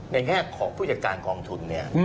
แง่ของผู้จัดการกองทุนเนี่ย